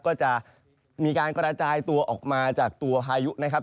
ก็จะมีการกระจายตัวออกมาจากตัวพายุนะครับ